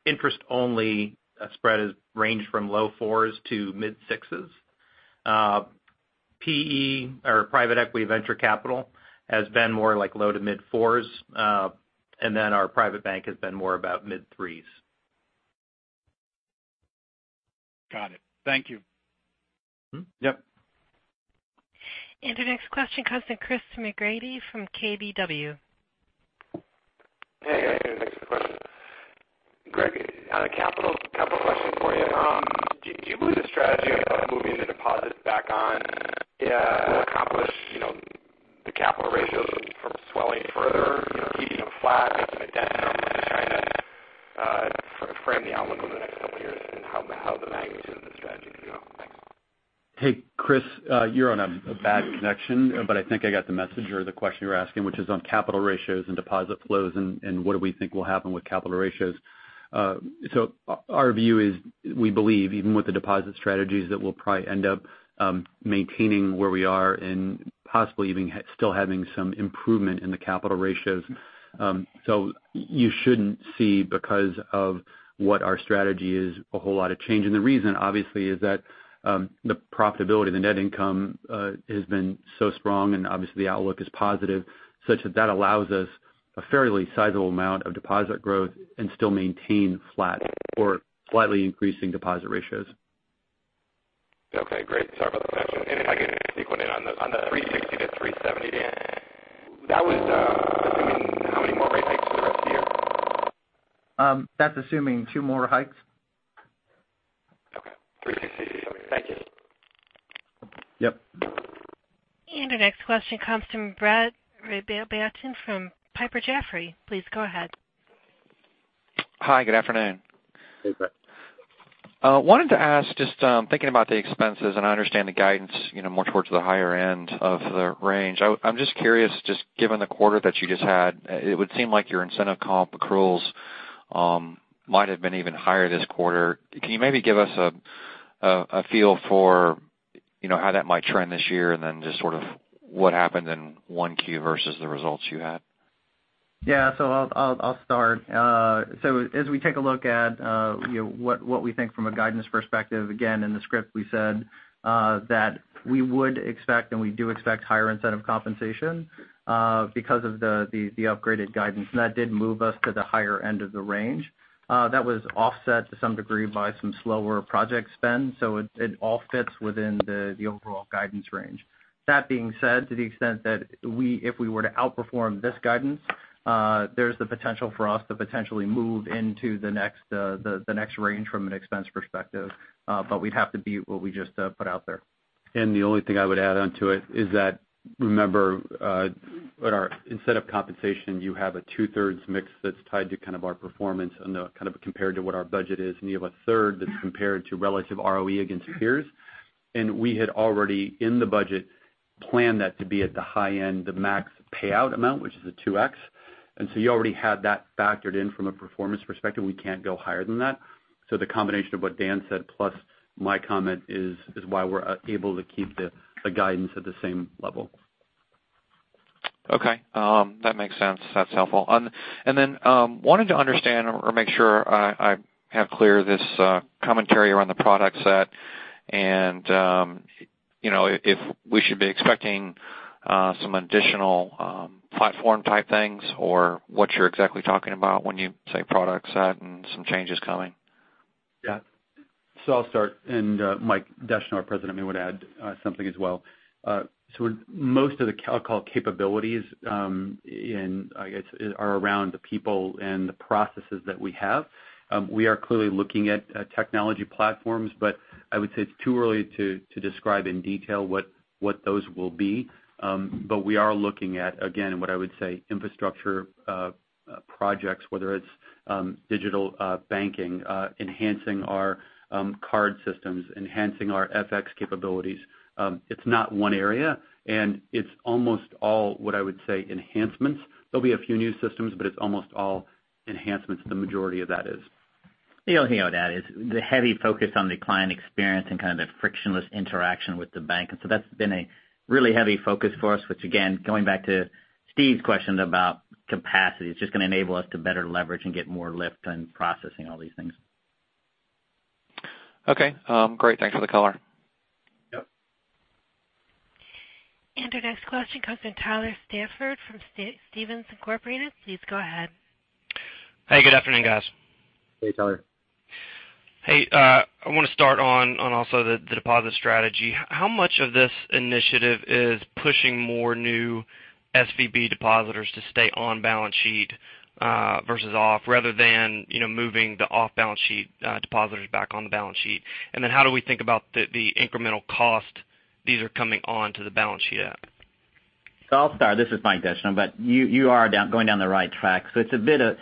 interest-only spread has ranged from low 4s to mid 6s. PE or private equity venture capital has been more like low to mid 4s. Our private bank has been more about mid 3s. Got it. Thank you. Yep. The next question comes from Chris McGratty from KBW. Hey. Thanks for the question. Greg, on a capital question for you. Do you believe the strategy of moving the deposits back on will accomplish the capital ratios from swelling further, keeping them flat, making a dent? I'm just trying to frame the outlook over the next couple years and how the magnitude of the strategy is going. Thanks. Hey, Chris, you're on a bad connection, but I think I got the message or the question you were asking, which is on capital ratios and deposit flows and what do we think will happen with capital ratios. Our view is we believe even with the deposit strategies, that we'll probably end up maintaining where we are and possibly even still having some improvement in the capital ratios. You shouldn't see, because of what our strategy is, a whole lot of change. The reason, obviously, is that the profitability, the net income has been so strong, and obviously the outlook is positive such that allows us a fairly sizable amount of deposit growth and still maintain flat or slightly increasing deposit ratios. Okay, great. Sorry about the connection. If I could sequence in on the 360 to 370. That was assuming how many more rate hikes for the rest of the year? That's assuming two more hikes. Okay. 360. Thank you. Yep. Our next question comes from Brett Rabatin from Piper Jaffray. Please go ahead. Hi. Good afternoon. Hey, Brett. Wanted to ask, just thinking about the expenses, I understand the guidance more towards the higher end of the range. I'm just curious, just given the quarter that you just had, it would seem like your incentive comp accruals might have been even higher this quarter. Can you maybe give us a feel for how that might trend this year and then just sort of what happened in 1Q versus the results you had? Yeah. I'll start. As we take a look at what we think from a guidance perspective, again, in the script, we said that we would expect, we do expect higher incentive compensation because of the upgraded guidance. That did move us to the higher end of the range. That was offset to some degree by some slower project spend. It all fits within the overall guidance range. That being said, to the extent that if we were to outperform this guidance there's the potential for us to potentially move into the next range from an expense perspective. We'd have to beat what we just put out there. The only thing I would add onto it is that, remember, incentive compensation, you have a two-thirds mix that's tied to kind of our performance and kind of compared to what our budget is, you have a third that's compared to relative ROE against peers. We had already in the budget planned that to be at the high end, the max payout amount, which is a 2x. You already had that factored in from a performance perspective. We can't go higher than that. The combination of what Dan said, plus my comment is why we're able to keep the guidance at the same level. Okay. That makes sense. That's helpful. Wanted to understand or make sure I have clear this commentary around the product set and if we should be expecting some additional platform type things or what you're exactly talking about when you say product set and some changes coming. Yeah. I'll start, and Mike Descheneaux, our president, may want to add something as well. Most of the call capabilities are around the people and the processes that we have. We are clearly looking at technology platforms, I would say it's too early to describe in detail what those will be. We are looking at, again, what I would say, infrastructure projects, whether it's digital banking, enhancing our card systems, enhancing our FX capabilities. It's not one area, it's almost all what I would say enhancements. There'll be a few new systems, it's almost all enhancements, the majority of that is. The only thing I would add is the heavy focus on the client experience and kind of the frictionless interaction with the bank. That's been a really heavy focus for us, which again, going back to Steven's question about capacity, it's just going to enable us to better leverage and get more lift on processing all these things. Okay. Great. Thanks for the color. Yep. Our next question comes from Tyler Stafford from Stephens Inc.. Please go ahead. Hey, good afternoon, guys. Hey, Tyler. Hey. I want to start on also the deposit strategy. How much of this initiative is pushing more new SVB depositors to stay on balance sheet versus off, rather than moving the off-balance sheet depositors back on the balance sheet? Then how do we think about the incremental cost these are coming onto the balance sheet at? I'll start. This is Michael Descheneaux. You are going down the right track. It's a bit of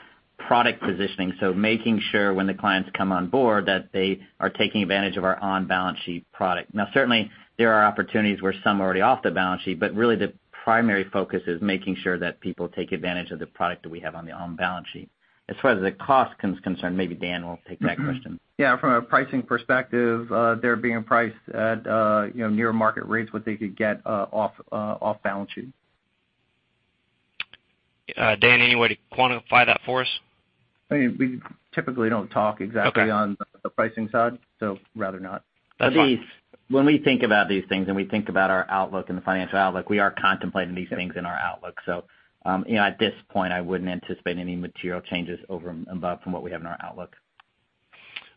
product positioning, so making sure when the clients come on board that they are taking advantage of our on-balance-sheet product. Now, certainly there are opportunities where some are already off the balance sheet, but really the primary focus is making sure that people take advantage of the product that we have on the on-balance sheet. As far as the cost is concerned, maybe Dan will take that question. Yeah. From a pricing perspective, they're being priced at near market rates, what they could get off balance sheet. Dan, any way to quantify that for us? I mean, we typically don't talk exactly. Okay on the pricing side, rather not. That's fine. When we think about these things and we think about our outlook and the financial outlook, we are contemplating these things in our outlook. At this point, I wouldn't anticipate any material changes over and above from what we have in our outlook.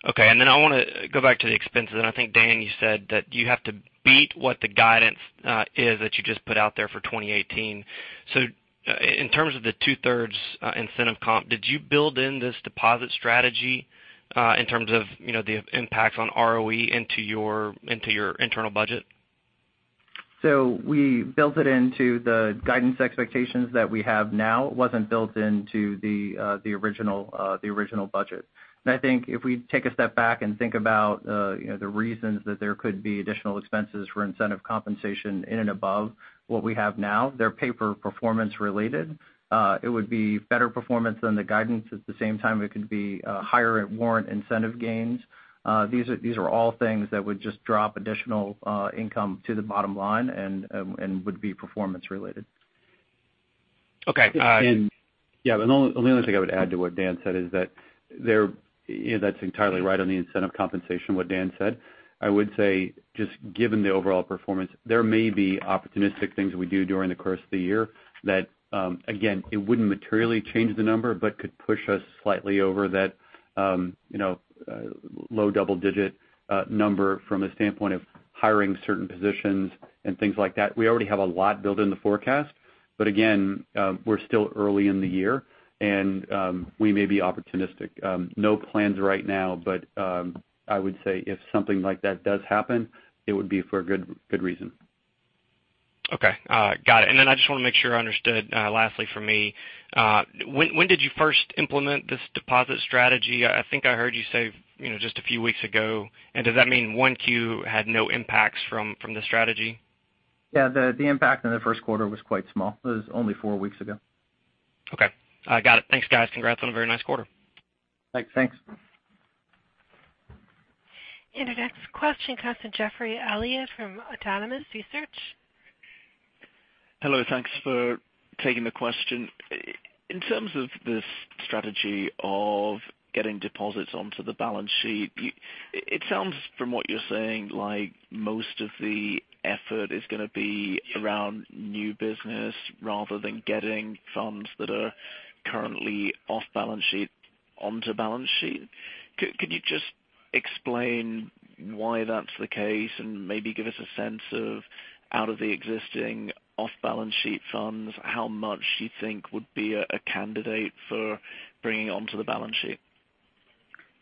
Okay. Then I want to go back to the expenses, I think, Dan, you said that you have to beat what the guidance is that you just put out there for 2018. In terms of the two-thirds incentive comp, did you build in this deposit strategy, in terms of the impacts on ROE into your internal budget? We built it into the guidance expectations that we have now. It wasn't built into the original budget. I think if we take a step back and think about the reasons that there could be additional expenses for incentive compensation in and above what we have now, they're pay for performance related. It would be better performance than the guidance. At the same time, it could be higher warrant incentive gains. These are all things that would just drop additional income to the bottom line and would be performance related. Okay. Yeah. The only other thing I would add to what Dan said is that that's entirely right on the incentive compensation, what Dan said. I would say, just given the overall performance, there may be opportunistic things that we do during the course of the year that, again, it wouldn't materially change the number but could push us slightly over that low double-digit number from a standpoint of hiring certain positions and things like that. We already have a lot built in the forecast, but again, we're still early in the year and we may be opportunistic. No plans right now, but I would say if something like that does happen, it would be for a good reason. Okay. Got it. Then I just want to make sure I understood, lastly from me. When did you first implement this deposit strategy? I think I heard you say just a few weeks ago. Does that mean 1Q had no impacts from the strategy? Yeah. The impact in the first quarter was quite small. It was only four weeks ago. Okay. I got it. Thanks, guys. Congrats on a very nice quarter. Thanks. Thanks. Our next question comes from Geoffrey Elliott from Autonomous Research. Hello. Thanks for taking the question. In terms of this strategy of getting deposits onto the balance sheet, it sounds from what you're saying like most of the effort is going to be around new business rather than getting funds that are currently off balance sheet onto balance sheet. Could you just explain why that's the case and maybe give us a sense of, out of the existing off-balance-sheet funds, how much do you think would be a candidate for bringing onto the balance sheet?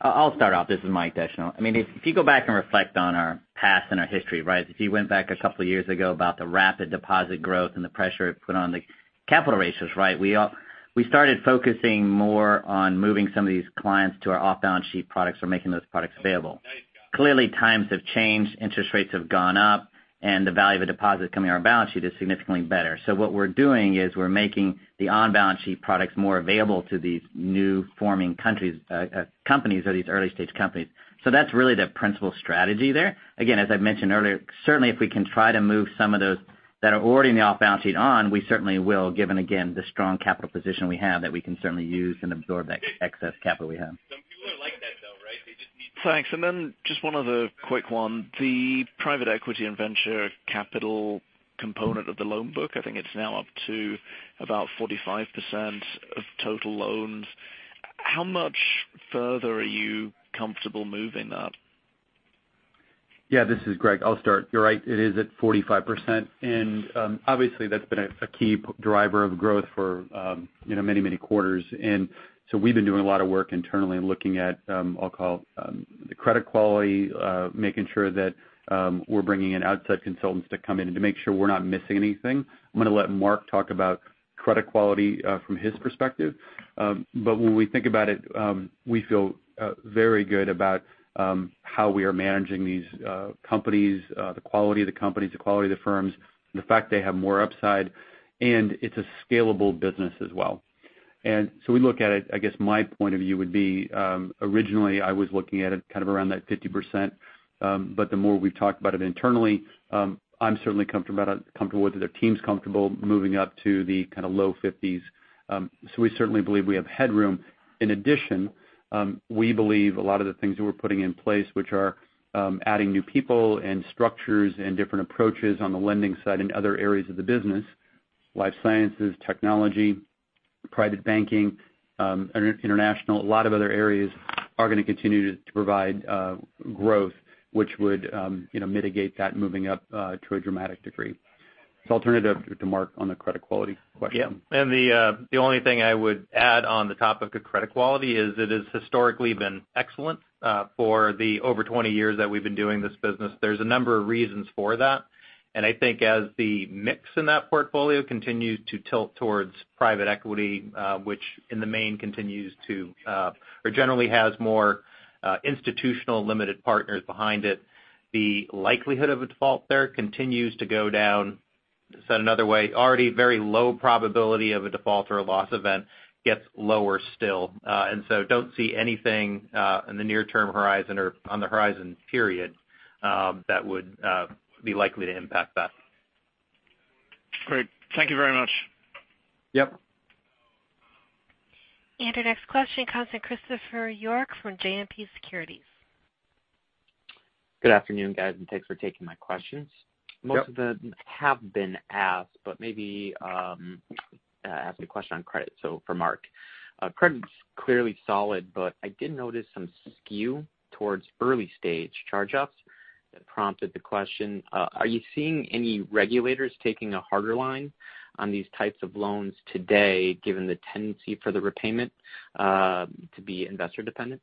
I'll start off. This is Michael Descheneaux. I mean, if you go back and reflect on our past and our history, right? If you went back a couple of years ago about the rapid deposit growth and the pressure it put on the capital ratios, right, we started focusing more on moving some of these clients to our off-balance-sheet products or making those products available. Clearly, times have changed, interest rates have gone up, the value of a deposit coming on our balance sheet is significantly better. What we're doing is we're making the on-balance-sheet products more available to these new forming companies or these early-stage companies. That's really the principal strategy there. Again, as I've mentioned earlier, certainly if we can try to move some of those that are already in the off-balance sheet on, we certainly will given, again, the strong capital position we have that we can certainly use and absorb that excess capital we have. Thanks. Then just one other quick one. The private equity and venture capital component of the loan book, I think it's now up to about 45% of total loans. How much further are you comfortable moving that? Yeah, this is Greg. I'll start. You're right, it is at 45%. Obviously that's been a key driver of growth for many, many quarters. We've been doing a lot of work internally in looking at, I'll call, the credit quality, making sure that we're bringing in outside consultants to come in and to make sure we're not missing anything. I'm going to let Marc talk about credit quality from his perspective. When we think about it, we feel very good about how we are managing these companies, the quality of the companies, the quality of the firms, and the fact they have more upside, and it's a scalable business as well. We look at it, I guess my point of view would be, originally I was looking at it kind of around that 50%, the more we've talked about it internally, I'm certainly comfortable with it, the team's comfortable moving up to the kind of low 50s. We certainly believe we have headroom. In addition, we believe a lot of the things that we're putting in place, which are adding new people and structures and different approaches on the lending side and other areas of the business, life sciences, technology, private banking, international, a lot of other areas are going to continue to provide growth which would mitigate that moving up to a dramatic degree. I'll turn it to Mark on the credit quality question. The only thing I would add on the topic of credit quality is it has historically been excellent for the over 20 years that we've been doing this business. There's a number of reasons for that. I think as the mix in that portfolio continues to tilt towards private equity, which in the main continues to or generally has more institutional limited partners behind it, the likelihood of a default there continues to go down. Said another way, already very low probability of a default or a loss event gets lower still. Don't see anything in the near-term horizon or on the horizon period that would be likely to impact that. Great. Thank you very much. Yep. Our next question comes from Christopher York from JMP Securities. Good afternoon, guys. Thanks for taking my questions. Yep. Most of them have been asked, maybe ask a question on credit. For Marc. Credit's clearly solid, but I did notice some skew towards early-stage charge-offs that prompted the question, are you seeing any regulators taking a harder line on these types of loans today, given the tendency for the repayment to be investor dependent?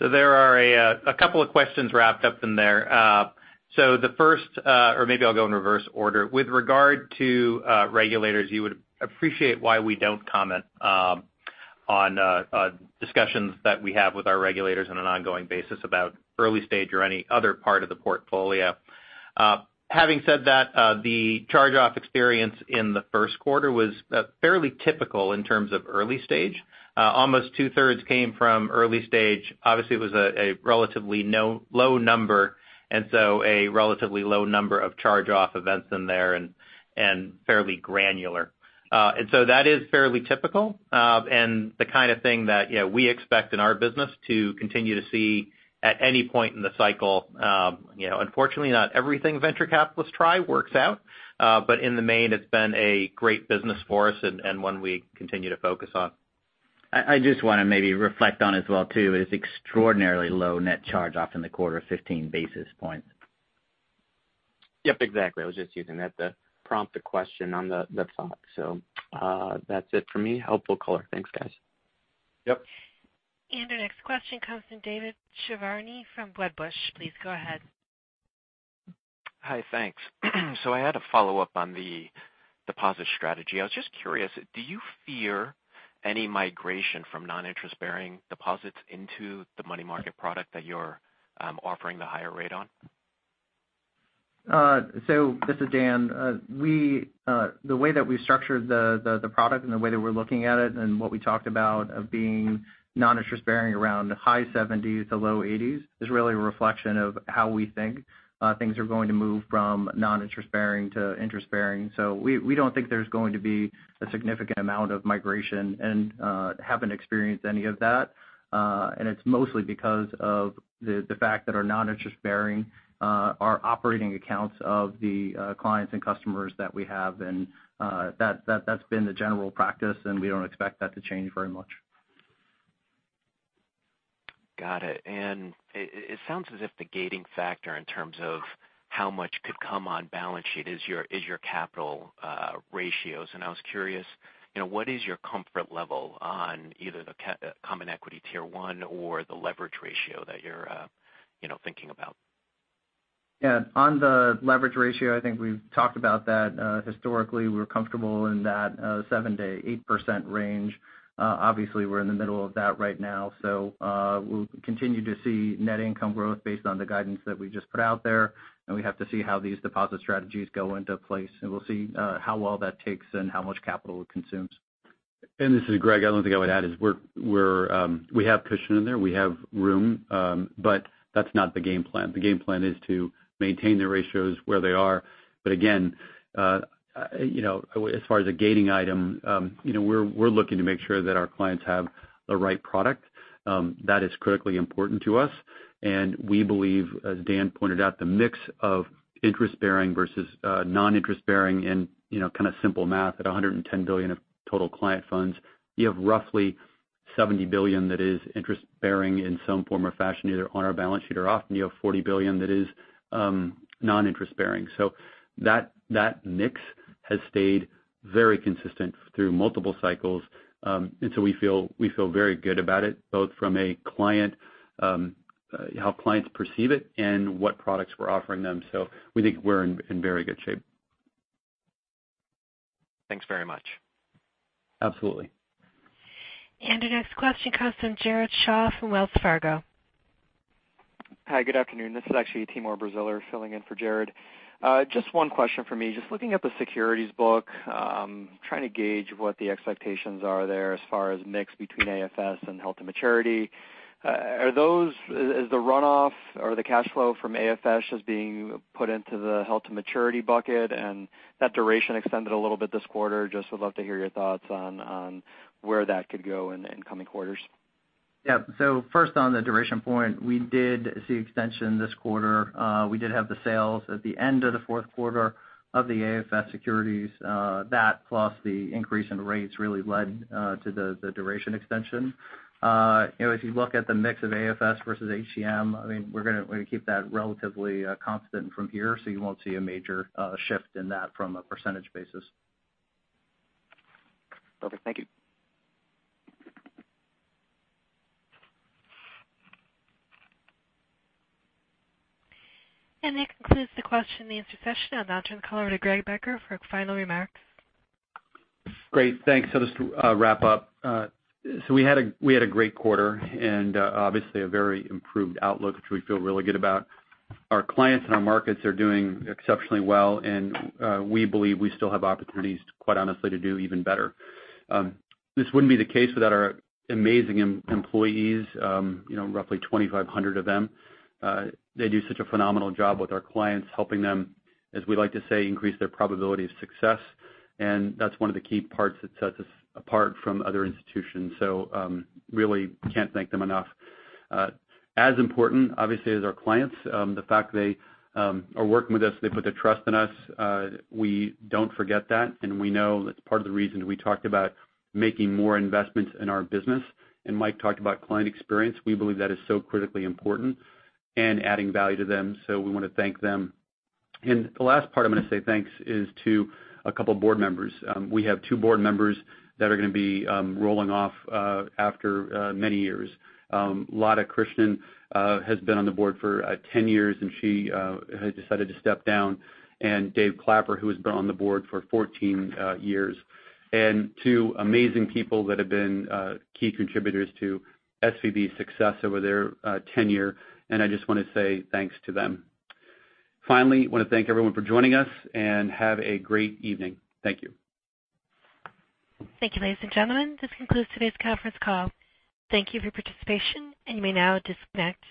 There are a couple of questions wrapped up in there. The first, or maybe I'll go in reverse order. With regard to regulators, you would appreciate why we don't comment on discussions that we have with our regulators on an ongoing basis about early stage or any other part of the portfolio. Having said that, the charge-off experience in the first quarter was fairly typical in terms of early stage. Almost two-thirds came from early stage. Obviously, it was a relatively low number, a relatively low number of charge-off events in there and fairly granular. That is fairly typical and the kind of thing that we expect in our business to continue to see at any point in the cycle. Unfortunately, not everything venture capitalists try works out. In the main, it's been a great business for us and one we continue to focus on. I just want to maybe reflect on as well too, is extraordinarily low net charge-off in the quarter of 15 basis points. Yep, exactly. I was just using that to prompt the question on the thought. That's it for me. Helpful color. Thanks, guys. Yep. Our next question comes from David Chiaverini from Wedbush. Please go ahead. Hi, thanks. I had a follow-up on the deposit strategy. I was just curious, do you fear any migration from non-interest-bearing deposits into the money market product that you're offering the higher rate on? This is Dan. The way that we've structured the product and the way that we're looking at it and what we talked about of being non-interest-bearing around high 70s to low 80s is really a reflection of how we think things are going to move from non-interest-bearing to interest-bearing. We don't think there's going to be a significant amount of migration and haven't experienced any of that. It's mostly because of the fact that our non-interest-bearing are operating accounts of the clients and customers that we have. That's been the general practice, and we don't expect that to change very much. Got it. It sounds as if the gating factor in terms of how much could come on balance sheet is your capital ratios. I was curious, what is your comfort level on either the Common Equity Tier 1 or the leverage ratio that you're thinking about? Yeah. On the leverage ratio, I think we've talked about that. Historically, we're comfortable in that seven to 8% range. Obviously, we're in the middle of that right now. We'll continue to see net income growth based on the guidance that we just put out there, and we have to see how these deposit strategies go into place. We'll see how well that takes and how much capital it consumes. This is Greg. The only thing I would add is we have cushion in there. We have room. That's not the game plan. The game plan is to maintain the ratios where they are. Again, as far as a gating item, we're looking to make sure that our clients have the right product. That is critically important to us. We believe, as Dan pointed out, the mix of interest bearing versus non-interest bearing and kind of simple math at $110 billion of total client funds, you have roughly $70 billion that is interest bearing in some form or fashion, either on our balance sheet or off, and you have $40 billion that is non-interest bearing. That mix has stayed very consistent through multiple cycles. We feel very good about it, both from how clients perceive it and what products we're offering them. We think we're in very good shape. Thanks very much. Absolutely. Our next question comes from Jared Shaw from Wells Fargo. Hi, good afternoon. This is actually Timur Braziler filling in for Jared. Just one question for me. Just looking at the securities book, trying to gauge what the expectations are there as far as mix between AFS and held-to-maturity. Is the runoff or the cash flow from AFS as being put into the held-to-maturity bucket and that duration extended a little bit this quarter? Just would love to hear your thoughts on where that could go in the coming quarters. Yeah. First on the duration point, we did see extension this quarter. We did have the sales at the end of the fourth quarter of the AFS securities. That plus the increase in rates really led to the duration extension. If you look at the mix of AFS versus HTM, we're going to keep that relatively constant from here. You won't see a major shift in that from a percentage basis. Perfect. Thank you. That concludes the question and answer session. I'll now turn the call over to Greg Becker for final remarks. Great. Thanks. Just to wrap up. We had a great quarter, and obviously a very improved outlook, which we feel really good about. Our clients and our markets are doing exceptionally well, and we believe we still have opportunities, quite honestly, to do even better. This wouldn't be the case without our amazing employees, roughly 2,500 of them. They do such a phenomenal job with our clients, helping them, as we like to say, increase their probability of success. That's one of the key parts that sets us apart from other institutions. Really can't thank them enough. As important, obviously, as our clients, the fact they are working with us, they put their trust in us. We don't forget that, and we know that's part of the reason we talked about making more investments in our business. Mike talked about client experience. We believe that is so critically important and adding value to them, so we want to thank them. The last part I'm going to say thanks is to a couple of board members. We have two board members that are going to be rolling off after many years. Lata Krishnan has been on the board for 10 years, and she has decided to step down, and Dave Clapper, who has been on the board for 14 years. Two amazing people that have been key contributors to SVB's success over their tenure, and I just want to say thanks to them. Finally, want to thank everyone for joining us, and have a great evening. Thank you. Thank you, ladies and gentlemen. This concludes today's conference call. Thank you for your participation, and you may now disconnect.